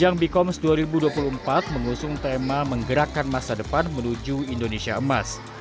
gerakan masa depan menuju indonesia emas